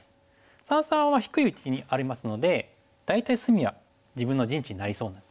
三々は低い位置にありますので大体隅は自分の陣地になりそうなんですね。